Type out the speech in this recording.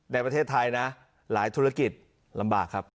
ในประเทศไทยนะหลายธุรกิจลำบากครับ